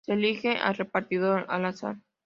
Se elige al repartidor al azar.